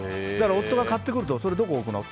夫が何か買ってくるとそれどこ置くの？